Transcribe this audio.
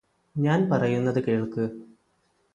ഞാന് പറയ്യുന്നത് കേൾക്ക്